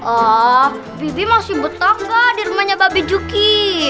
oh bibi masih betong gak di rumahnya babi juki